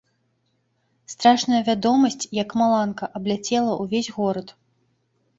Страшная вядомасць, як маланка, абляцела ўвесь горад.